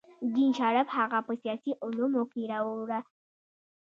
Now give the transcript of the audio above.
جین شارپ هغه په سیاسي علومو کې راوړه.